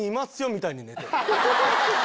みたいに寝てる。